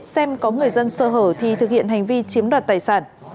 xem có người dân sơ hở thì thực hiện hành vi chiếm đoạt tài sản